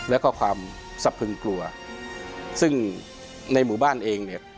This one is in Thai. แล้วก็ความสะพึงกลัวซึ่งในหมู่บ้านเองเนี่ย